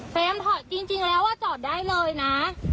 เฟรมถอยจริงแล้วว่าจอดได้เลยนะ